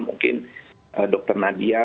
mungkin dr nadia